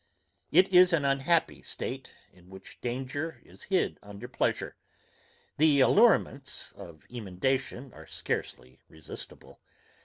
It is an unhappy state, in which danger is hid under pleasure. The allurements of emendation are scarcely resistible.